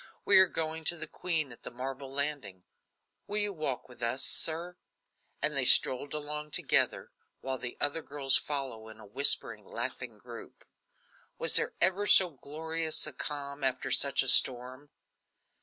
We are going to the queen at the marble landing. Will you walk with us, sir?" And they strolled away together, while the other girls followed in a whispering, laughing group. Was there ever so glorious a calm after such a storm?